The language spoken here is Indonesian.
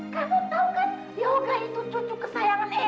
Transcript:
kamu tahu kan yoga itu cucu kesayangan eyang